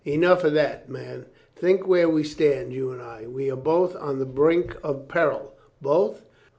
"Enough of that. Man, think where we stand, you and I. We are both on the brink of peril." "Both?